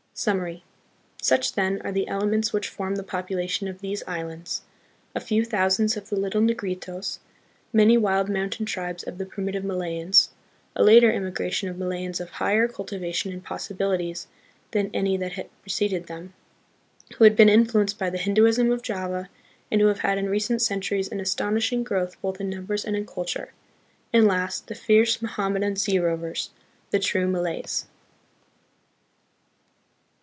Summary. Such, then, are the elements which form the population of these islands, a few thousands of the little Negritos; many wild mountain tribes of the primi tive Malayans; a later immigration of Malayans of higher cultivation and possibilities than any that preceded them, who had been influenced by the Hinduism of Java and who have had in recent centuries an astonishing growth both in numbers and in culture; and last, the fierce Mohammedan sea rovers, the true Malays.